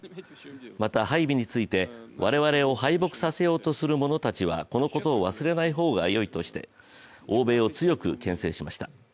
また、配備について、我々を敗北させようとする者たちはこのことを忘れない方がよいとして欧米を強くけん制しました。